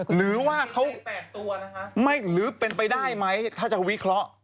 หรือว่าเขาไม่หรือเป็นไปได้ไหมถ้าจะวิเคราะห์